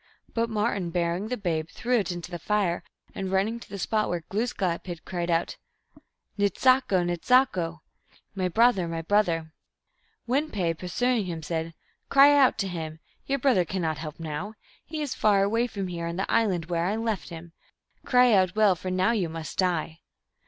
But Martin, bearing the babe, threw it into the fire, and, running to the spot where Glooskap hid, cried out, " Nse sako ! nse sako !" (M., My brother ! my brother !) Win pe, pursuing him, said, " Cry out to him ; your brother cannot help you now. He is far away from here, on the island where I left him. Cry out well, for now you must die